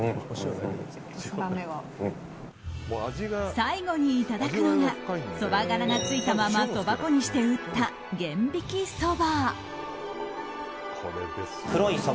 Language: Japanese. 最後にいただくのがそば殻がついたままそば粉にして打った玄挽きそば。